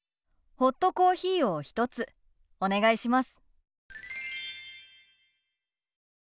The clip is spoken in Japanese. ホットコーヒーを１つお願いします。